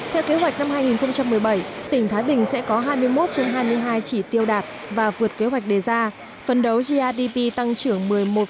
theo kế hoạch năm hai nghìn một mươi bảy tỉnh thái bình sẽ có hai mươi một trên hai mươi hai chỉ tiêu đạt và vượt kế hoạch đề ra phân đấu grdp tăng trưởng một mươi một năm